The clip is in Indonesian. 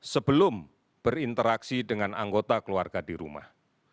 sebelum berinteraksi dengan anggota keluarga di rumah